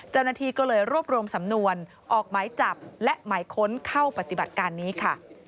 เจ้าหน้าที่ก็เลยรวบรวมสำนวนออกหมายจับและหมายค้นเข้าปฏิบัติการนี้ค่ะ